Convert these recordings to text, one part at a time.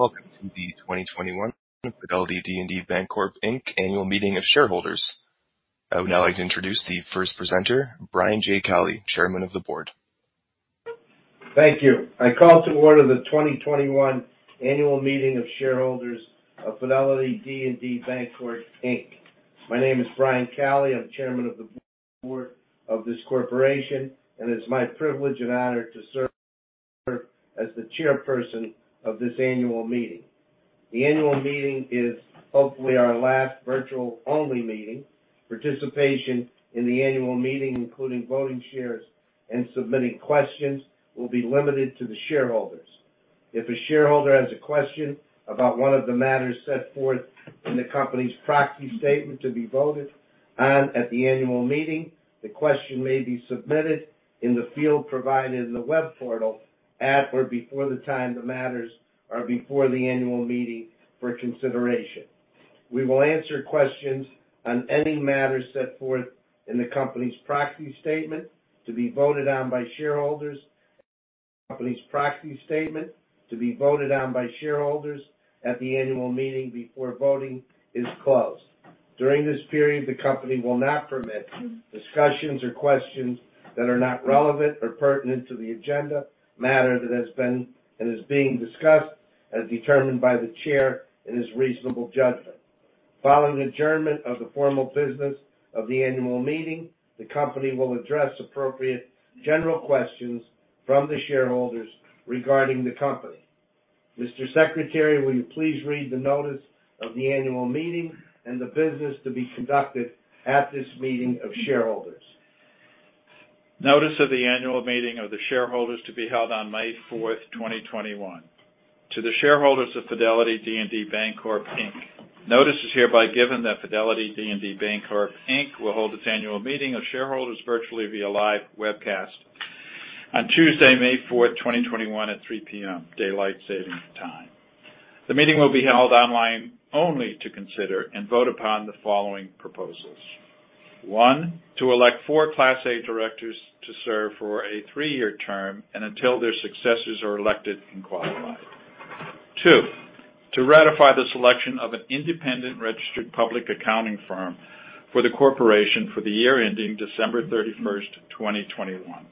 Welcome to the 2021 Fidelity D & D Bancorp, Inc. Annual Meeting of Shareholders. I would now like to introduce the first presenter, Brian J. Cali, Chairman of the Board. Thank you. I call to order the 2021 Annual Meeting of Shareholders of Fidelity D & D Bancorp, Inc. My name is Brian Cali. I'm Chairman of the Board of this corporation, and it's my privilege and honor to serve as the chairperson of this annual meeting. The annual meeting is hopefully our last virtual-only meeting. Participation in the annual meeting, including voting shares and submitting questions, will be limited to the shareholders. If a shareholder has a question about one of the matters set forth in the company's proxy statement to be voted on at the annual meeting, the question may be submitted in the field provided in the web portal at or before the time the matters are before the annual meeting for consideration. We will answer questions on any matters set forth in the company's proxy statement to be voted on by shareholders at the annual meeting before voting is closed. During this period, the company will not permit discussions or questions that are not relevant or pertinent to the agenda matter that has been and is being discussed as determined by the Chair in his reasonable judgment. Following the adjournment of the formal business of the annual meeting, the company will address appropriate general questions from the shareholders regarding the company. Mr. Secretary, will you please read the notice of the annual meeting and the business to be conducted at this meeting of shareholders? Notice of the annual meeting of the shareholders to be held on May 4, 2021. To the shareholders of Fidelity D & D Bancorp, Inc., notice is hereby given that Fidelity D & D Bancorp, Inc. will hold its annual meeting of shareholders virtually via live webcast on Tuesday, May 4, 2021 at 3:00 P.M., Daylight Saving Time. The meeting will be held online only to consider and vote upon the following proposals. One. To elect four Class A directors to serve for a three-year term and until their successors are elected and qualified. Two. To ratify the selection of an independent registered public accounting firm for the corporation for the year ending December 31, 2021.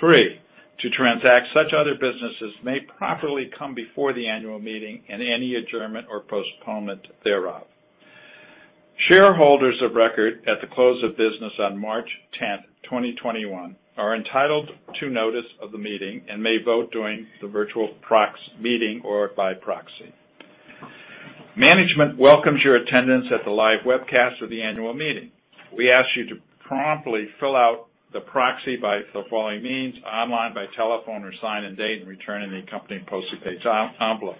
Three. To transact such other business as may properly come before the annual meeting and any adjournment or postponement thereof. Shareholders of record at the close of business on March 10, 2021 are entitled to notice of the meeting and may vote during the virtual meeting or by proxy. Management welcomes your attendance at the live webcast of the annual meeting. We ask you to promptly fill out the proxy by the following means: online, by telephone, or sign and date and return in the accompanying postage-paid envelope.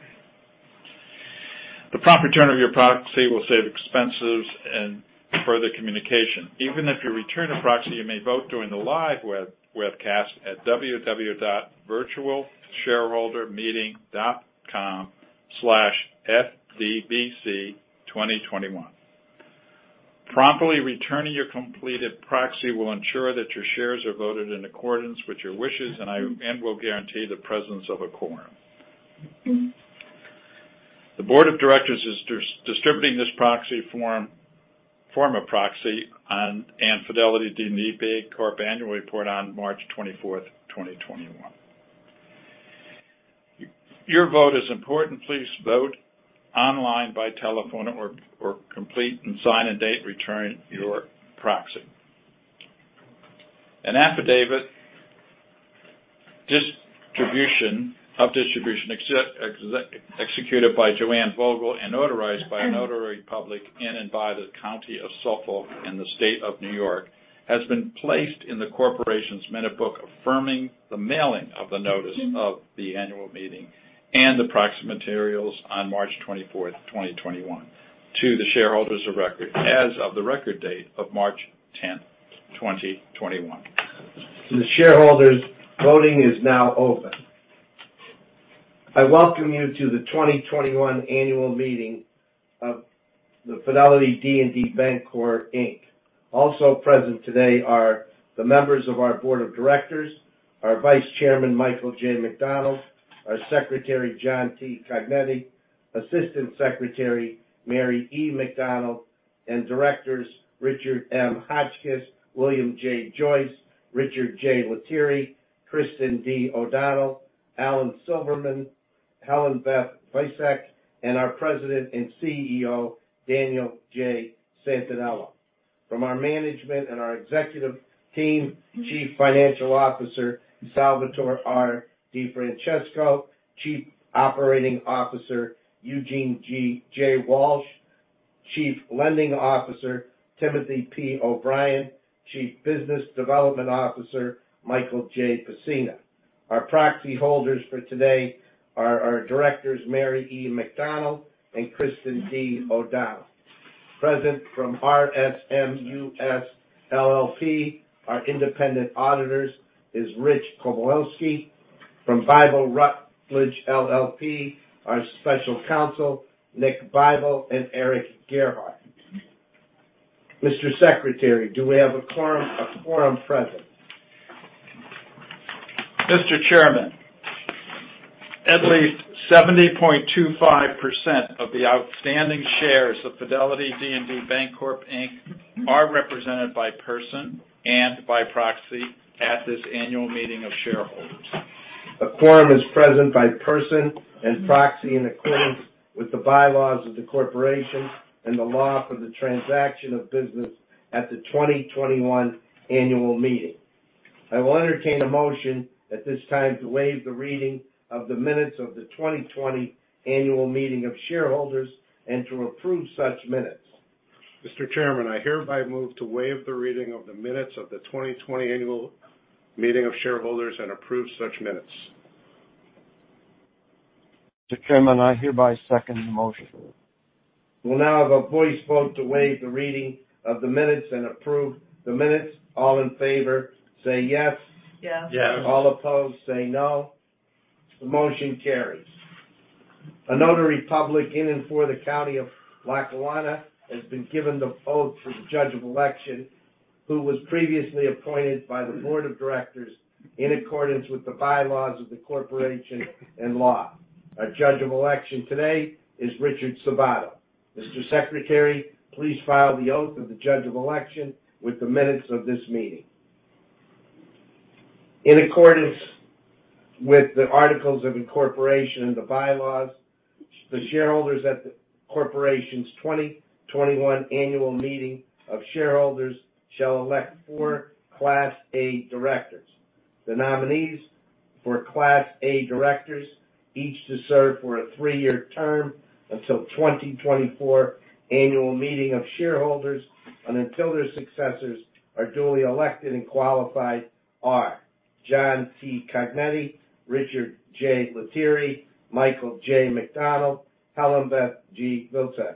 The prompt return of your proxy will save expenses and further communication. Even if you return a proxy, you may vote during the live webcast at www.virtualshareholdermeeting.com/FDBC2021. Promptly returning your completed proxy will ensure that your shares are voted in accordance with your wishes and will guarantee the presence of a quorum. The Board of Directors is distributing this form of proxy and Fidelity D & D Bancorp annual report on March 24, 2021. Your vote is important. Please vote online, by telephone, or complete and sign and date, return your proxy. An affidavit of distribution executed by Joanne Vogel and notarized by a notary public in and by the County of Suffolk in the State of New York, has been placed in the corporation's minute book, affirming the mailing of the notice of the annual meeting and the proxy materials on March 24th, 2021 to the shareholders of record as of the record date of March 10th, 2021. The shareholders' voting is now open. I welcome you to the 2021 annual meeting of the Fidelity D & D Bancorp, Inc. Also present today are the members of our Board of Directors, our Vice Chairman, Michael J. McDonald, our Secretary, John T. Cognetti, Assistant Secretary, Mary E. McDonald, and directors Richard M. Hotchkiss, William J. Joyce, Richard J. Lettieri, Kristin D. O'Donnell, Alan Silverman, HelenBeth G. Vilcek, and our President and CEO, Daniel J. Santaniello. From our management and our executive team, Chief Financial Officer, Salvatore R. DeFrancesco, Chief Operating Officer, Eugene J. Walsh, Chief Lending Officer, Timothy P. O'Brien, Chief Business Development Officer, Michael J. Pacyna. Our proxy holders for today are our directors, Mary E. McDonald and Kristin D. O'Donnell. Present from RSM US LLP, our independent auditors, is Rich Kobylski. From Bybel Rutledge LLP, our special counsel, Nick Bybel and Erik Gerhard. Mr. Secretary, do we have a quorum present? Mr. Chairman, at least 70.25% of the outstanding shares of Fidelity D & D Bancorp, Inc. are represented by person and by proxy at this annual meeting of shareholders. A quorum is present by person and proxy in accordance with the bylaws of the corporation and the law for the transaction of business at the 2021 annual meeting. I will entertain a motion at this time to waive the reading of the minutes of the 2020 annual meeting of shareholders and to approve such minutes. Mr. Chairman, I hereby move to waive the reading of the minutes of the 2020 annual meeting of shareholders and approve such minutes. Mr. Chairman, I hereby second the motion. We'll now have a voice vote to waive the reading of the minutes and approve the minutes. All in favor, say yes. Yes. Yes. All opposed, say no. The motion carries. A notary public in and for the County of Lackawanna has been given the oath for the Judge of Election, who was previously appointed by the Board of Directors in accordance with the bylaws of the corporation and law. Our Judge of Election today is Richard Sabato. Mr. Secretary, please file the oath of the Judge of Election with the minutes of this meeting. In accordance with the Articles of Incorporation and the bylaws, the shareholders at the corporation's 2021 annual meeting of shareholders shall elect four Class A directors. The nominees for Class A directors, each to serve for a three-year term until 2024 annual meeting of shareholders and until their successors are duly elected and qualified, are John T. Cognetti, Richard J. Lettieri, Michael J. McDonald, Helen Beth G. Milteer.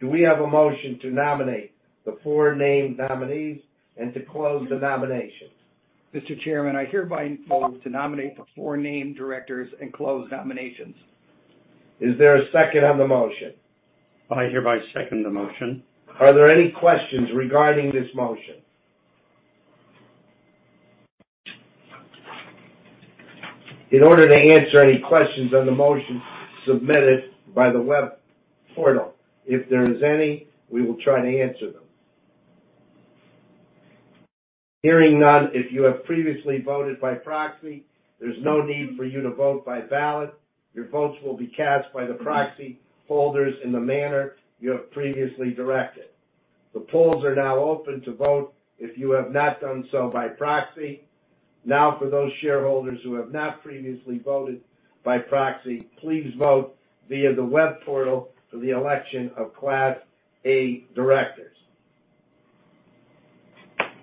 Do we have a motion to nominate the four named nominees and to close the nominations? Mr. Chairman, I hereby move to nominate the four named directors and close nominations. Is there a second on the motion? I hereby second the motion. Are there any questions regarding this motion? In order to answer any questions on the motion, submit it by the web portal. If there's any, we will try to answer them. Hearing none, if you have previously voted by proxy, there's no need for you to vote by ballot. Your votes will be cast by the proxy holders in the manner you have previously directed. The polls are now open to vote if you have not done so by proxy. Now, for those shareholders who have not previously voted by proxy, please vote via the web portal for the election of Class A directors.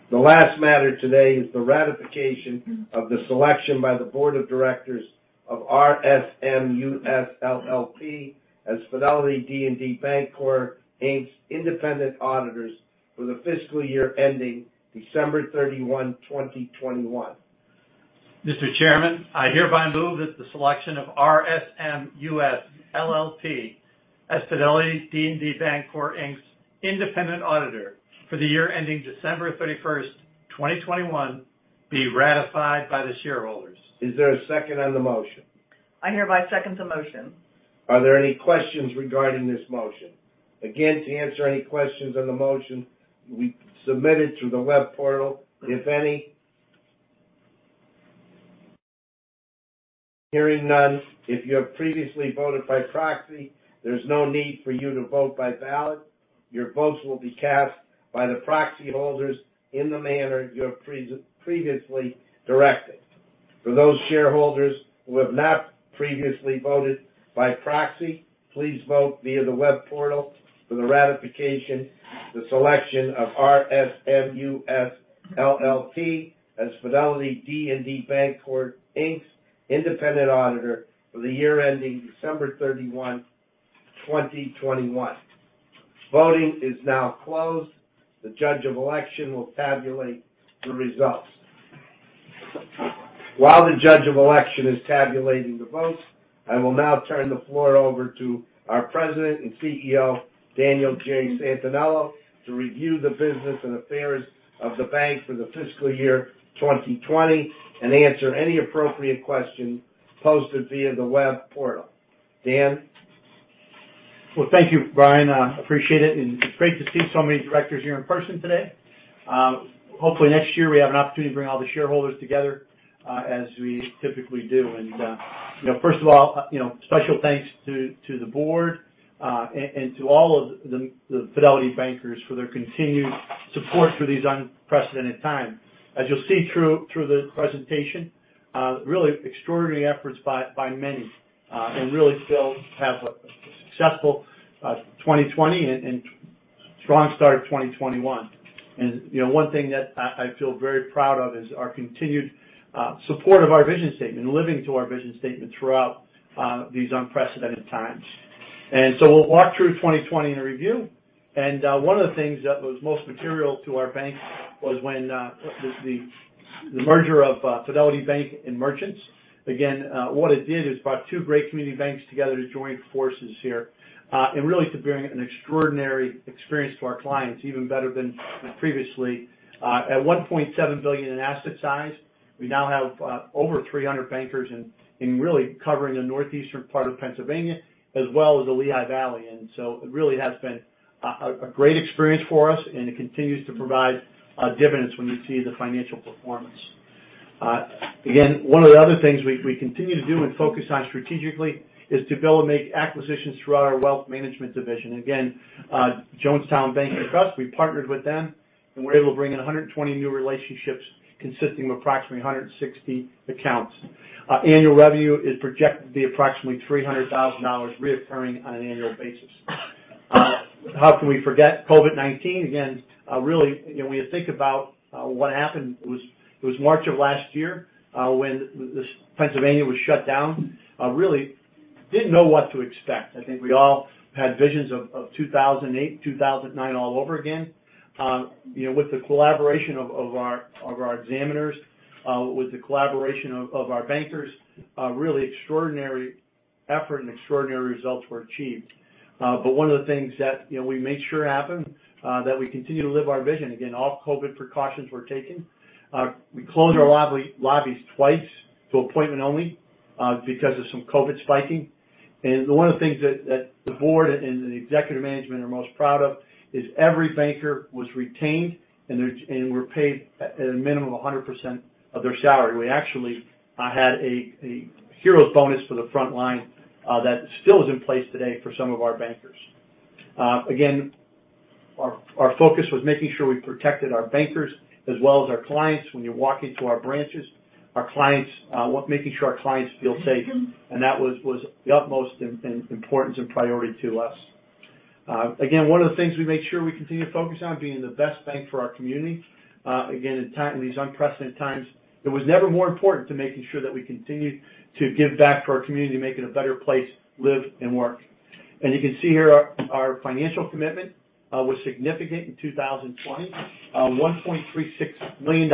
The last matter today is the ratification of the selection by the Board of Directors of RSM US LLP as Fidelity D & D Bancorp, Inc.'s independent auditors for the fiscal year ending December 31, 2021. Mr. Chairman, I hereby move that the selection of RSM US LLP as Fidelity D & D Bancorp, Inc.'s independent auditor for the year ending December 31st, 2021, be ratified by the shareholders. Is there a second on the motion? I hereby second the motion. Are there any questions regarding this motion? Again, to answer any questions on the motion, submit it through the web portal, if any. Hearing none, if you have previously voted by proxy, there's no need for you to vote by ballot. Your votes will be cast by the proxy holders in the manner you have previously directed. For those shareholders who have not previously voted by proxy, please vote via the web portal for the ratification, the selection of RSM US LLP as Fidelity D & D Bancorp, Inc.'s independent auditor for the year ending December 31, 2021. Voting is now closed. The Judge of Election will tabulate the results. While the Judge of Election is tabulating the votes, I will now turn the floor over to our President and Chief Executive Officer, Daniel J. Santaniello, to review the business and affairs of the bank for the fiscal year 2020 and answer any appropriate questions posted via the web portal. Dan? Well, thank you, Brian. I appreciate it, and it's great to see so many directors here in person today. Hopefully next year we have an opportunity to bring all the shareholders together, as we typically do. First of all, special thanks to the board, and to all of the Fidelity bankers for their continued support through these unprecedented times. As you'll see through the presentation, really extraordinary efforts by many, and really still have a successful 2020 and strong start of 2021. One thing that I feel very proud of is our continued support of our vision statement, living to our vision statement throughout these unprecedented times. We'll walk through 2020 in a review. One of the things that was most material to our bank was the merger of Fidelity Bank and Merchants. Again, what it did is brought two great community banks together to join forces here, and really to bring an extraordinary experience to our clients, even better than previously. At $1.7 billion in asset size, we now have over 300 bankers and really covering the northeastern part of Pennsylvania as well as the Lehigh Valley. It really has been a great experience for us, and it continues to provide dividends when you see the financial performance. Again, one of the other things we continue to do and focus on strategically is to be able to make acquisitions throughout our wealth management division. Again, Jonestown Bank and Trust, we partnered with them, and we were able to bring in 120 new relationships consisting of approximately 160 accounts. Annual revenue is projected to be approximately $300,000 recurring on an annual basis. How can we forget COVID-19? Really, when you think about what happened, it was March of last year when Pennsylvania was shut down. Didn't know what to expect. I think we all had visions of 2008, 2009 all over again. With the collaboration of our examiners, with the collaboration of our bankers, really extraordinary effort and extraordinary results were achieved. One of the things that we made sure happened, that we continue to live our vision. All COVID precautions were taken. We closed our lobbies twice to appointment only because of some COVID spiking. One of the things that the board and the executive management are most proud of is every banker was retained and were paid at a minimum 100% of their salary. We actually had a hero's bonus for the front line that still is in place today for some of our bankers. Our focus was making sure we protected our bankers as well as our clients when you walk into our branches. Making sure our clients feel safe, that was the utmost importance and priority to us. One of the things we make sure we continue to focus on, being the best bank for our community. In these unprecedented times, it was never more important to making sure that we continued to give back to our community, make it a better place to live and work. You can see here our financial commitment was significant in 2020. $1.36 million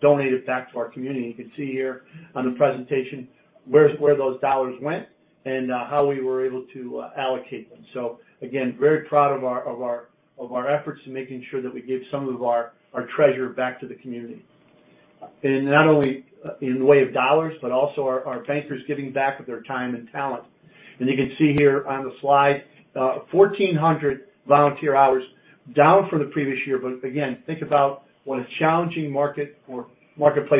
donated back to our community. You can see here on the presentation where those dollars went and how we were able to allocate them. Again, very proud of our efforts in making sure that we give some of our treasure back to the community. Not only in the way of dollars, but also our bankers giving back with their time and talent. You can see here on the slide, 1,400 volunteer hours, down from the previous year. Again, think about what a challenging marketplace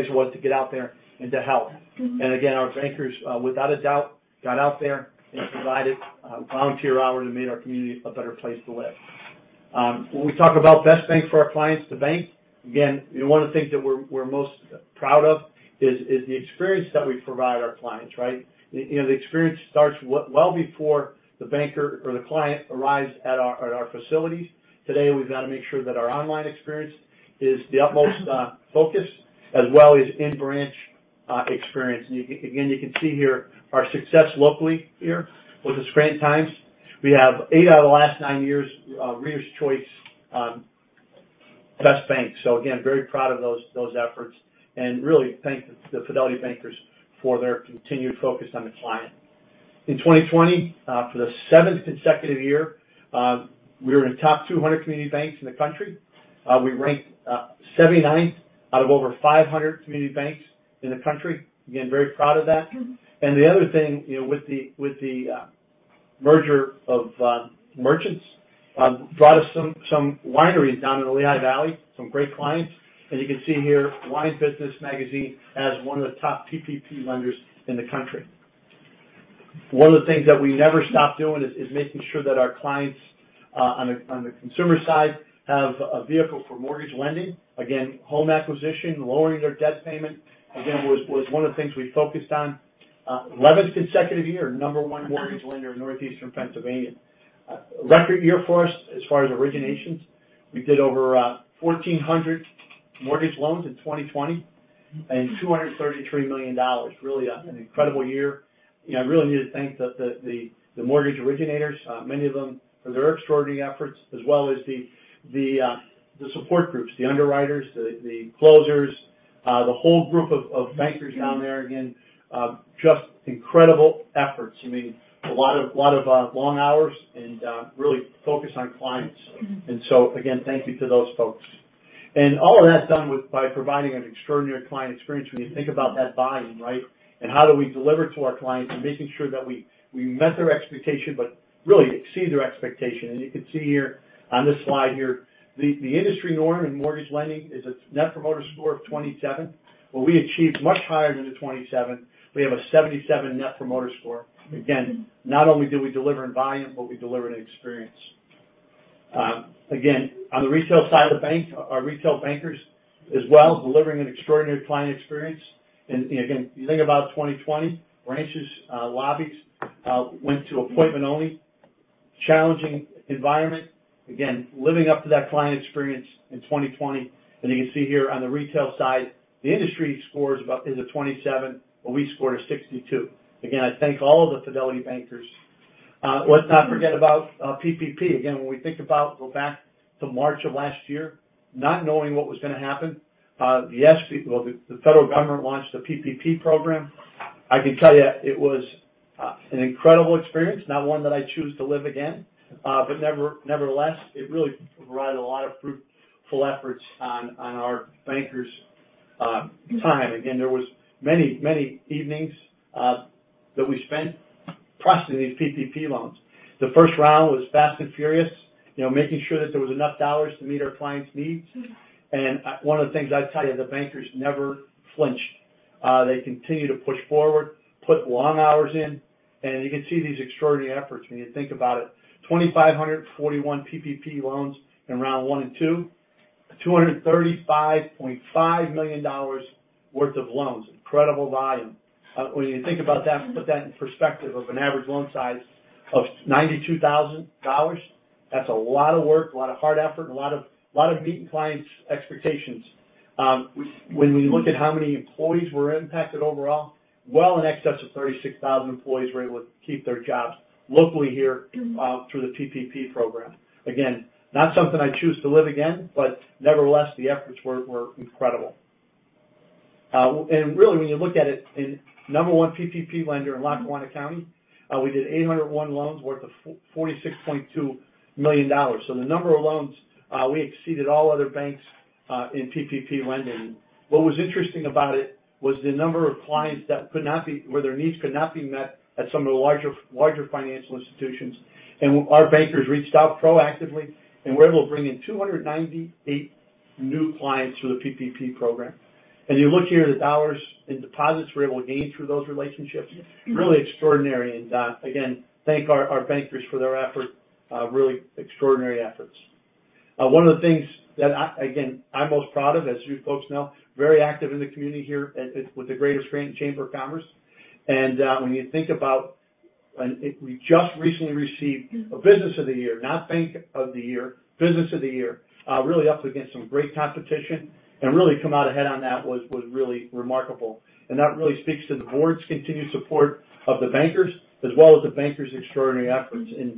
it was to get out there and to help. Again, our bankers, without a doubt, got out there and provided volunteer hours and made our community a better place to live. When we talk about best bank for our clients to bank, again, one of the things that we're most proud is the experience that we provide our clients, right. The experience starts well before the banker or the client arrives at our facilities. Today, we've got to make sure that our online experience is the utmost focus as well as in-branch experience. Again, you can see here our success locally here with the Scranton Times. We have eight out of the last nine years, Readers Choice Best Bank. Again, very proud of those efforts and really thank the Fidelity bankers for their continued focus on the client. In 2020, for the seventh consecutive year, we were in top 200 community banks in the country. We ranked 79th out of over 500 community banks in the country. Again, very proud of that. The other thing, with the merger of Merchants, brought us some wineries down in the Lehigh Valley, some great clients. As you can see here, Wine Business Monthly as one of the top PPP lenders in the country. One of the things that we never stop doing is making sure that our clients on the consumer side have a vehicle for mortgage lending. Home acquisition, lowering their debt payment, again, was one of the things we focused on. 11th consecutive year, number one mortgage lender in Northeastern Pennsylvania. Record year for us as far as originations. We did over 1,400 mortgage loans in 2020 and $233 million. Really an incredible year. I really need to thank the mortgage originators, many of them, for their extraordinary efforts, as well as the support groups, the underwriters, the closers, the whole group of bankers down there. Just incredible efforts. A lot of long hours and really focused on clients. Thank you to those folks. All of that's done by providing an extraordinary client experience. When you think about that volume, right? How do we deliver to our clients and making sure that we met their expectation, but really exceed their expectation. You can see here on this slide here, the industry norm in mortgage lending is a Net Promoter Score of 27. We achieved much higher than the 27. We have a 77 Net Promoter Score. Not only do we deliver in volume, but we deliver in experience. On the retail side of the bank, our retail bankers as well, delivering an extraordinary client experience. You think about 2020, branches, lobbies went to appointment only. Challenging environment. Living up to that client experience in 2020. You can see here on the retail side, the industry score is a 27, but we scored a 62. I thank all of the Fidelity bankers. Let's not forget about PPP. Again, when we think about go back to March of last year, not knowing what was going to happen. The Federal government launched the PPP program. I can tell you, it was an incredible experience, not one that I choose to live again. Nevertheless, it really provided a lot of fruitful efforts on our bankers' time. Again, there was many evenings that we spent processing these PPP loans. The first round was fast and furious, making sure that there was enough dollars to meet our clients' needs. One of the things I'd tell you, the bankers never flinched. They continued to push forward, put long hours in, and you can see these extraordinary efforts when you think about it. 2,541 PPP loans in round one and two, $235.5 million worth of loans. Incredible volume. When you think about that and put that in perspective of an average loan size of $92,000, that's a lot of work, a lot of hard effort, and a lot of meeting clients' expectations. When we look at how many employees were impacted overall, well in excess of 36,000 employees were able to keep their jobs locally here through the PPP program. Again, not something I choose to live again, but nevertheless, the efforts were incredible. Really, when you look at it, in number 1 PPP lender in Lackawanna County, we did 801 loans worth of $46.2 million. The number of loans, we exceeded all other banks in PPP lending. What was interesting about it was the number of clients where their needs could not be met at some of the larger financial institutions. Our bankers reached out proactively and were able to bring in 298 new clients through the PPP program. You look here, the dollars in deposits we were able to gain through those relationships, really extraordinary. Again, thank our bankers for their effort, really extraordinary efforts. One of the things that, again, I'm most proud of, as you folks know, very active in the community here with the Greater Scranton Chamber of Commerce. When you think about, we just recently received a Business of the Year, not Bank of the Year, Business of the Year. Really up against some great competition and really come out ahead on that was really remarkable. That really speaks to the board's continued support of the bankers as well as the bankers' extraordinary efforts. To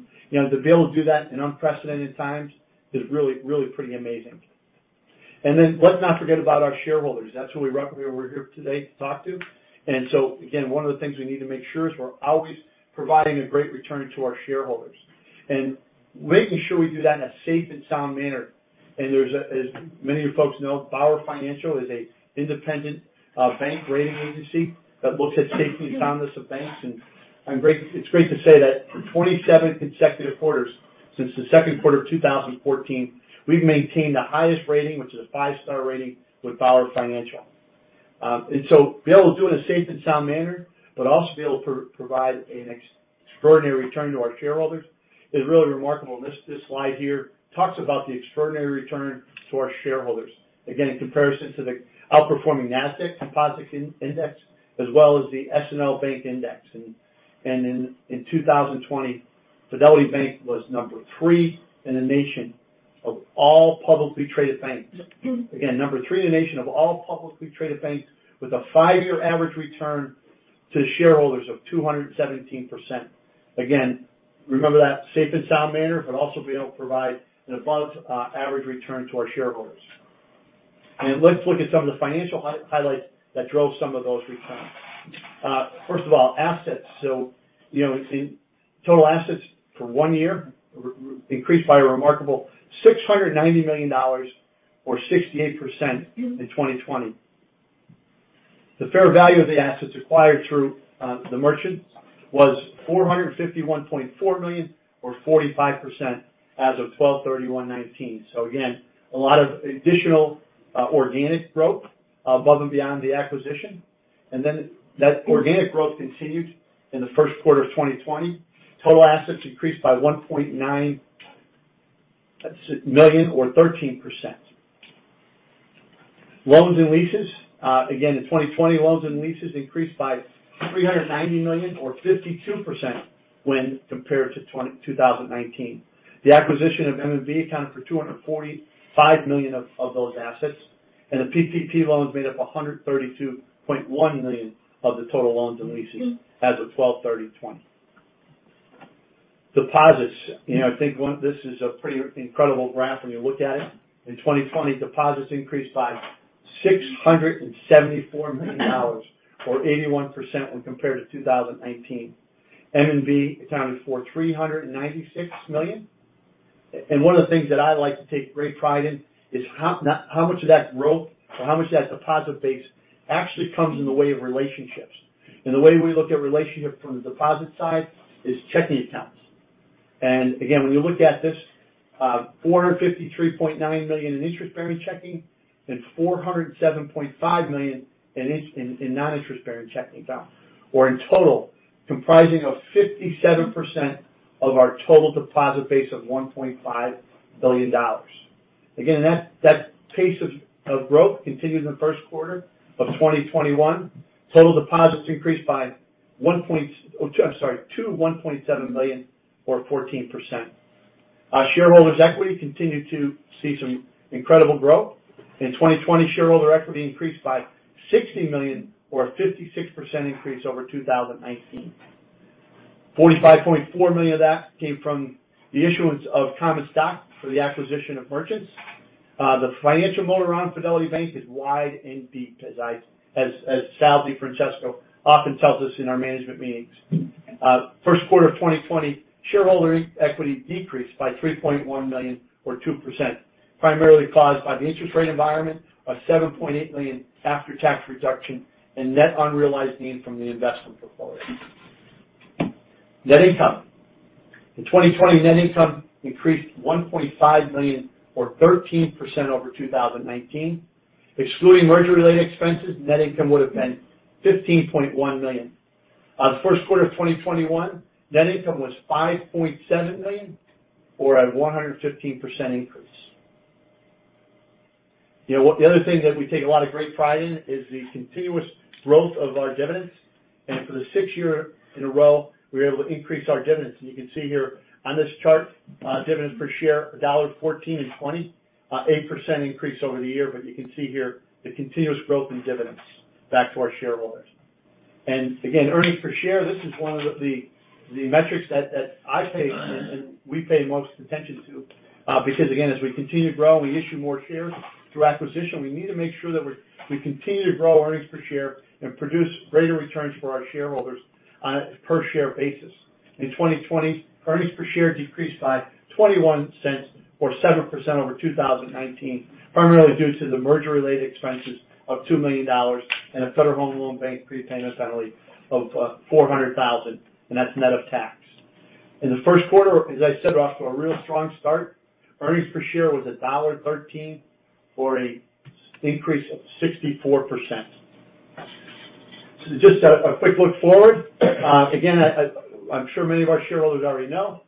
be able to do that in unprecedented times is really pretty amazing. Let's not forget about our shareholders. That's who we're here today to talk to. One of the things we need to make sure is we're always providing a great return to our shareholders and making sure we do that in a safe and sound manner. As many of you folks know, BauerFinancial is an independent bank rating agency that looks at safety and soundness of banks. It's great to say that for 27 consecutive quarters since the second quarter of 2014, we've maintained the highest rating, which is a five-star rating with BauerFinancial. To be able to do it in a safe and sound manner, but also be able to provide an extraordinary return to our shareholders is really remarkable. This slide here talks about the extraordinary return to our shareholders. Again, in comparison to the outperforming NASDAQ Composite Index, as well as the SNL Bank Index. In 2020, Fidelity Bank was number three in the nation of all publicly traded banks. Again, number three in the nation of all publicly traded banks with a five-year average return to shareholders of 217%. Again, remember that safe and sound manner, but also be able to provide an above-average return to our shareholders. Let's look at some of the financial highlights that drove some of those returns. First of all, assets. Total assets for one year increased by a remarkable $690 million or 68% in 2020. The fair value of the assets acquired through the Merchants was $451.4 million or 45% as of 12/31/2019. Again, a lot of additional organic growth above and beyond the acquisition. That organic growth continued in the first quarter of 2020. Total assets increased by $1.9 billion or 13%. Loans and leases. Again, in 2020, loans and leases increased by $390 million or 52% when compared to 2019. The acquisition of MNB accounted for $245 million of those assets, and the PPP loans made up $132.1 million of the total loans and leases as of 12/30/2020. Deposits. I think this is a pretty incredible graph when you look at it. In 2020, deposits increased by $674 million, or 81%, when compared to 2019. MNB accounted for $396 million. One of the things that I like to take great pride in is how much of that growth or how much of that deposit base actually comes in the way of relationships. The way we look at relationships from the deposit side is checking accounts. When you look at this, $453.9 million in interest-bearing checking and $407.5 million in non-interest-bearing checking accounts, or in total comprising of 57% of our total deposit base of $1.5 billion. That pace of growth continued in the first quarter of 2021. Total deposits increased by $21.7 million or 14%. Our shareholders' equity continued to see some incredible growth. In 2020, shareholder equity increased by $60 million or a 56% increase over 2019. $45.4 million of that came from the issuance of common stock for the acquisition of Merchants. The financial moat around Fidelity Bank is wide and deep, as Sal DeFrancesco often tells us in our management meetings. First quarter of 2020, shareholder equity decreased by $3.1 million or 2%, primarily caused by the interest rate environment of $7.8 million after-tax reduction and net unrealized gain from the investment portfolio. Net income. In 2020, net income increased $1.5 million or 13% over 2019. Excluding merger-related expenses, net income would've been $15.1 million. The first quarter of 2021, net income was $5.7 million, or a 115% increase. The other thing that we take a lot of great pride in is the continuous growth of our dividends. For the sixth year in a row, we were able to increase our dividends. You can see here on this chart, dividends per share, $1.14 in 2020. 8% increase over the year, you can see here the continuous growth in dividends back to our shareholders. Again, earnings per share, this is one of the metrics that I pay and we pay most attention to. As we continue to grow and we issue more shares through acquisition, we need to make sure that we continue to grow earnings per share and produce greater returns for our shareholders on a per share basis. In 2020, earnings per share decreased by $0.21 or 7% over 2019, primarily due to the merger-related expenses of $2 million and a Federal Home Loan Bank prepayment penalty of $400,000, and that's net of tax. In the first quarter, as I said, we're off to a real strong start. Earnings per share was $1.13 for an increase of 64%. A quick look forward. I'm sure many of our shareholders already know,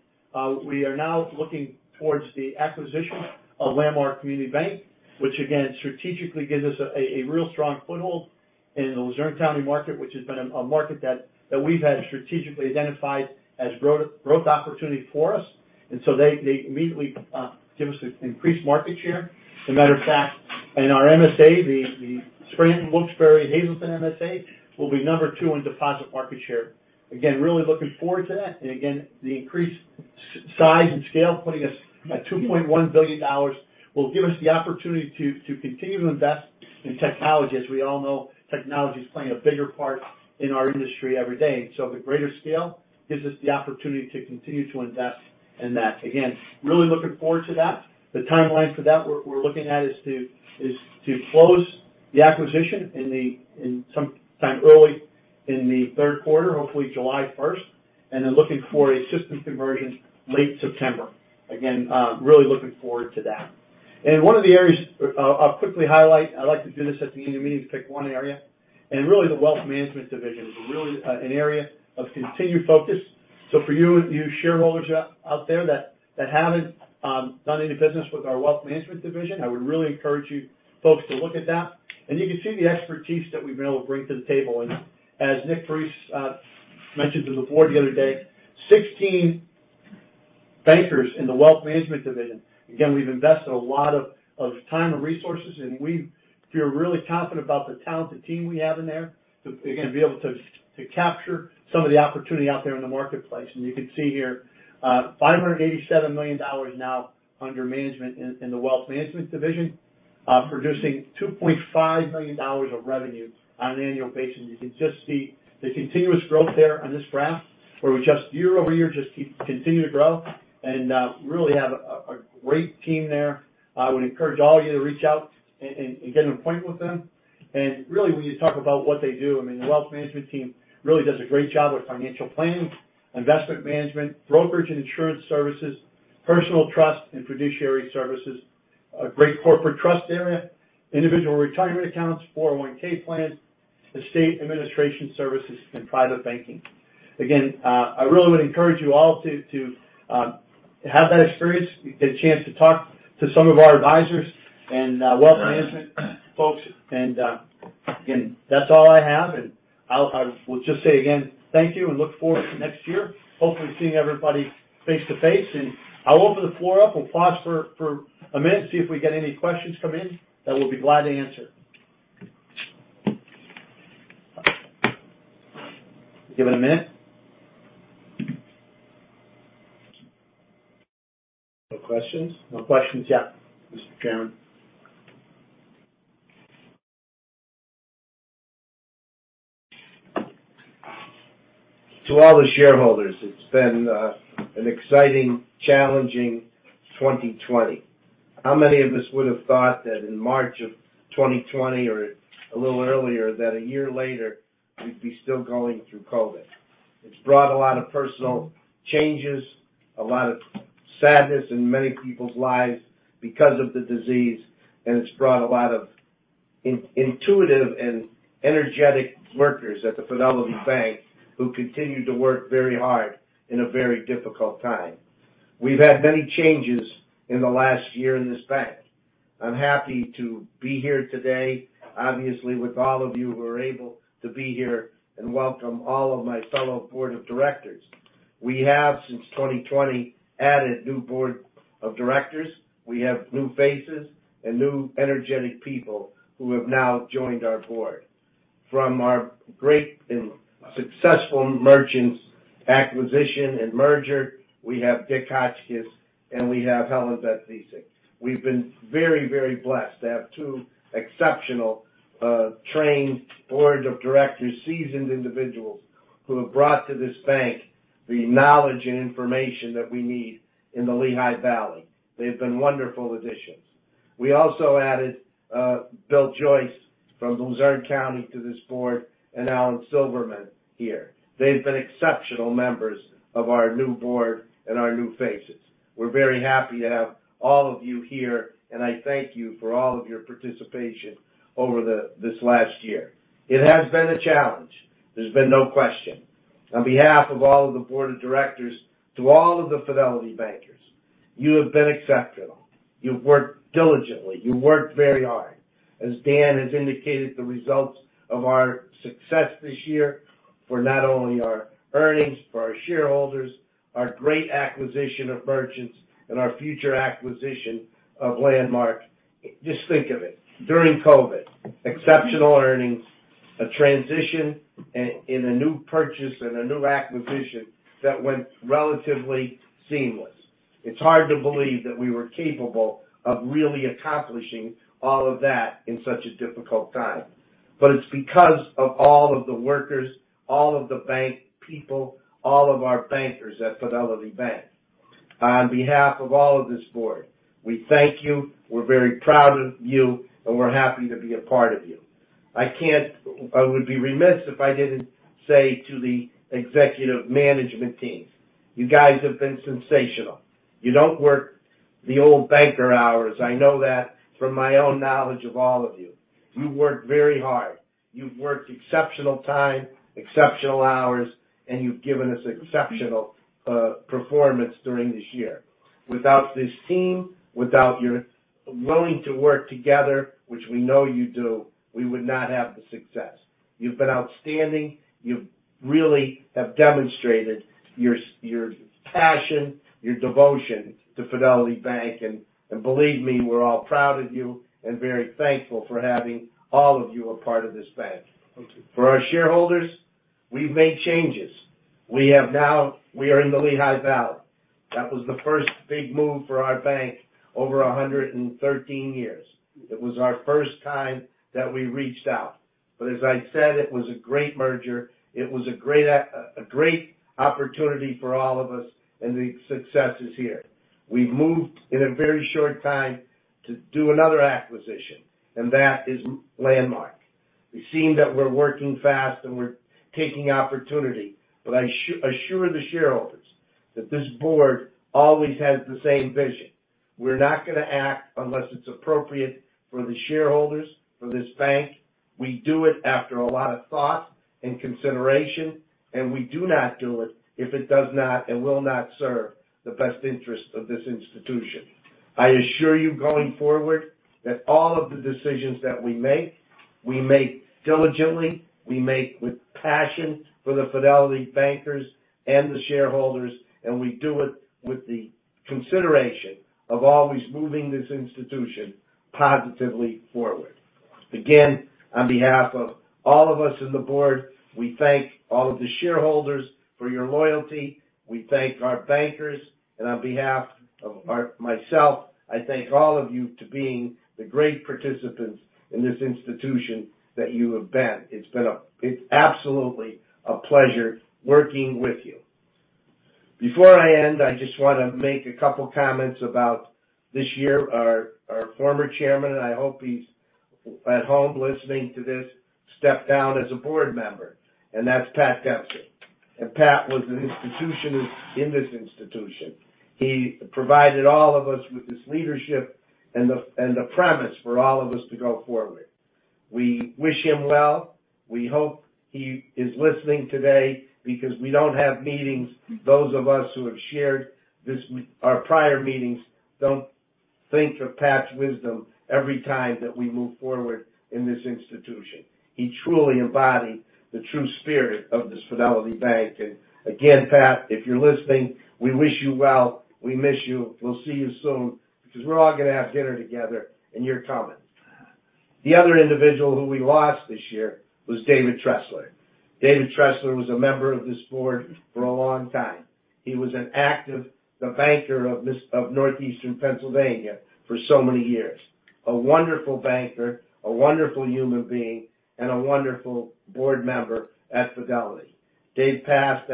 we are now looking towards the acquisition of Landmark Community Bank, which again, strategically gives us a real strong foothold in the Luzerne County market, which has been a market that we've had strategically identified as growth opportunity for us. They immediately give us increased market share. As a matter of fact, in our MSA, the Scranton, Wilkes-Barre, Hazleton MSA, we'll be number two in deposit market share. Really looking forward to that. The increased size and scale putting us at $2.1 billion will give us the opportunity to continue to invest in technology. As we all know, technology's playing a bigger part in our industry every day. The greater scale gives us the opportunity to continue to invest in that. Really looking forward to that. The timeline for that, we're looking at is to close the acquisition sometime early in the third quarter, hopefully July 1st, and then looking for a system conversion late September. Again, really looking forward to that. One of the areas I'll quickly highlight, I like to do this at the annual meetings, pick one area. Really, the wealth management division is really an area of continued focus. For you shareholders out there that haven't done any business with our wealth management division, I would really encourage you folks to look at that. You can see the expertise that we've been able to bring to the table. As Nick Parise mentioned to the Board the other day, 16 bankers in the wealth management division. We've invested a lot of time and resources, and we feel really confident about the talented team we have in there to, again, be able to capture some of the opportunity out there in the marketplace. You can see here, $587 million now under management in the wealth management division, producing $2.5 million of revenue on an annual basis. You can just see the continuous growth there on this graph, where we just year-over-year just keep continuing to grow. We really have a great team there. I would encourage all of you to reach out and get an appointment with them. Really, when you talk about what they do, I mean, the wealth management team really does a great job with financial planning, investment management, brokerage and insurance services, personal trust and fiduciary services, a great corporate trust area, individual retirement accounts, 401 plans, estate administration services, and private banking. I really would encourage you all to have that experience, get a chance to talk to some of our advisors and wealth management folks. That's all I have. I will just say again, thank you, and look forward to next year. Hopefully seeing everybody face-to-face. I'll open the floor up. We'll pause for a minute, see if we get any questions come in that we'll be glad to answer. Give it a minute. No questions? No questions yet, Mr. Chairman. To all the shareholders, it's been an exciting, challenging 2020. How many of us would've thought that in March of 2020 or a little earlier, that a year later we'd be still going through COVID? It's brought a lot of personal changes, a lot of sadness in many people's lives because of the disease, and it's brought a lot of intuitive and energetic workers at the Fidelity Bank who continue to work very hard in a very difficult time. We've had many changes in the last year in this bank. I'm happy to be here today, obviously with all of you who are able to be here, and welcome all of my fellow Board of Directors. We have, since 2020, added new Board of Directors. We have new faces and new energetic people who have now joined our board. From our great and successful Merchants acquisition and merger, we have Richard M. Hotchkiss, and we have HelenBeth G. Vilcek. We've been very blessed to have two exceptional trained Board of Directors, seasoned individuals, who have brought to this bank the knowledge and information that we need in the Lehigh Valley. They've been wonderful additions. We also added William J. Joyce, Sr. from Luzerne County to this board, and Alan Silverman here. They've been exceptional members of our new board and our new faces. We're very happy to have all of you here, and I thank you for all of your participation over this last year. It has been a challenge. There's been no question. On behalf of all of the Board of Directors, to all of the Fidelity bankers, you have been exceptional. You've worked diligently. You worked very hard. As Dan has indicated, the results of our success this year, for not only our earnings for our shareholders, our great acquisition of Merchants, and our future acquisition of Landmark. Just think of it. During COVID-19, exceptional earnings, a transition in a new purchase and a new acquisition that went relatively seamless. It's hard to believe that we were capable of really accomplishing all of that in such a difficult time. It's because of all of the workers, all of the bank people, all of our bankers at Fidelity Bank. On behalf of all of this board, we thank you, we're very proud of you, and we're happy to be a part of you. I would be remiss if I didn't say to the executive management team, you guys have been sensational. You don't work the old banker hours. I know that from my own knowledge of all of you. You work very hard. You've worked exceptional time, exceptional hours, and you've given us exceptional performance during this year. Without this team, without your willing to work together, which we know you do, we would not have the success. You've been outstanding. You really have demonstrated your passion, your devotion to Fidelity Bank, and believe me, we're all proud of you and very thankful for having all of you a part of this bank. For our shareholders, we've made changes. We are in the Lehigh Valley. That was the first big move for our bank over 113 years. It was our first time that we reached out. As I said, it was a great merger. It was a great opportunity for all of us, and the success is here. We've moved in a very short time to do another acquisition, and that is Landmark. We seem that we're working fast and we're taking opportunity, I assure the shareholders that this board always has the same vision. We're not going to act unless it's appropriate for the shareholders, for this bank. We do it after a lot of thought and consideration, we do not do it if it does not and will not serve the best interest of this institution. I assure you going forward that all of the decisions that we make, we make diligently, we make with passion for the Fidelity bankers and the shareholders, we do it with the consideration of always moving this institution positively forward. Again, on behalf of all of us on the board, we thank all of the shareholders for your loyalty. We thank our bankers, and on behalf of myself, I thank all of you to being the great participants in this institution that you have been. It's absolutely a pleasure working with you. Before I end, I just want to make a couple comments about this year. Our former chairman, and I hope he's at home listening to this, stepped down as a board member, and that's Pat Dempsey. Pat was an institution in this institution. He provided all of us with his leadership and the premise for all of us to go forward. We wish him well. We hope he is listening today because we don't have meetings. Those of us who have shared our prior meetings don't think of Pat's wisdom every time that we move forward in this institution. He truly embodied the true spirit of this Fidelity Bank. Again, Pat, if you're listening, we wish you well. We miss you. We'll see you soon because we're all going to have dinner together, and you're coming. The other individual who we lost this year was David Tressler. David Tressler was a member of this board for a long time. He was an active banker of northeastern Pennsylvania for so many years. A wonderful banker, a wonderful human being, and a wonderful board member at Fidelity. Dave passed.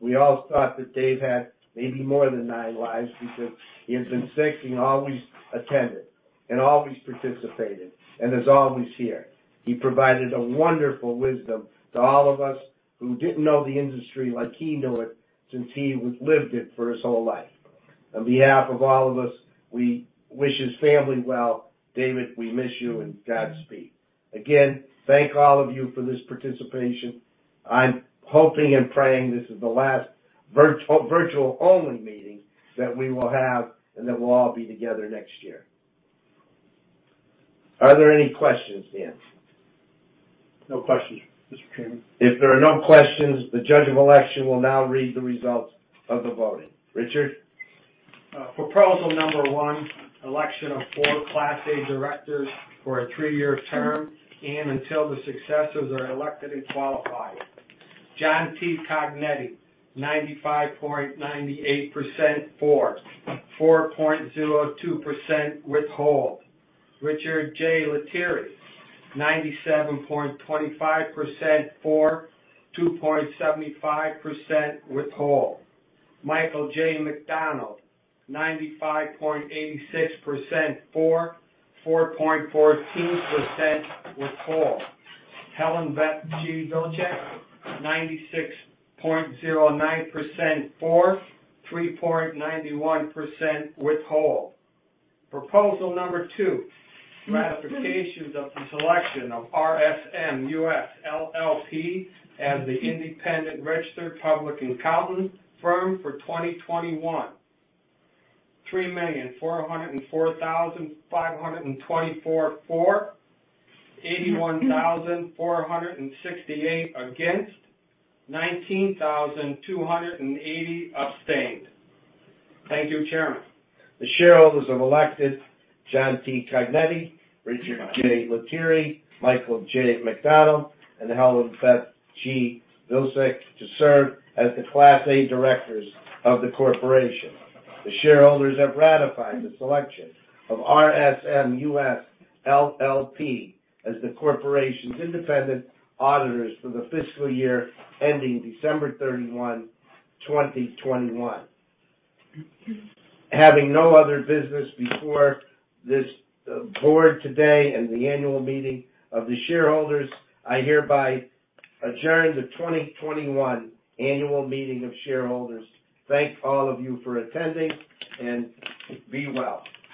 We all thought that Dave had maybe more than nine lives because he had been sick, and he always attended, and always participated, and is always here. He provided a wonderful wisdom to all of us who didn't know the industry like he knew it since he lived it for his whole life. On behalf of all of us, we wish his family well. David, we miss you, and Godspeed. Thank all of you for this participation. I'm hoping and praying this is the last virtual only meetings that we will have, and then we'll all be together next year. Are there any questions, Dan? No questions, Mr. Chairman. If there are no questions, the Judge of Election will now read the results of the voting. Richard? Proposal number one, election of four Class A directors for a three-year term and until the successors are elected and qualified. John T. Cognetti, 95.98% for, 4.02% withhold. Richard J. Lettieri, 97.25% for, 2.75% withhold. Michael J. McDonald, 95.86% for, 4.14% withhold. HelenBeth G. Vilcek, 96.09% for, 3.91% withhold. Proposal number two, ratifications of the selection of RSM US LLP as the independent registered public accountant firm for 2021. 3,404,524 for, 81,468 against, 19,280 abstained. Thank you, Chairman. The shareholders have elected John T. Cognetti, Richard J. Lettieri, Michael J. McDonald, and HelenBeth G. Vilcek to serve as the Class A directors of the corporation. The shareholders have ratified the selection of RSM US LLP as the corporation's independent auditors for the fiscal year ending December 31, 2021. Having no other business before this board today and the annual meeting of the shareholders, I hereby adjourn the 2021 annual meeting of shareholders. Thank all of you for attending, and be well.